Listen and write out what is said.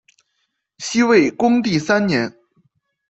西魏恭帝三年。